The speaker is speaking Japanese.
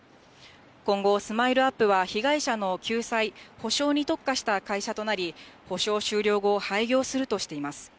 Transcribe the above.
今後、スマイルアップは被害者の救済、補償に特化した会社となり、補償終了後、廃業するとしています。